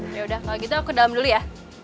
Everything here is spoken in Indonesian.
yaudah kalau gitu aku ke dalam dulu ya